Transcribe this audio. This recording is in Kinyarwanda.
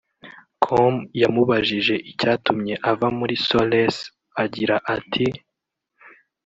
com yamubajije icyatumye ava muri solace agira ati